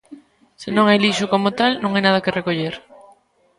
Se non hai lixo como tal, non hai nada que recoller.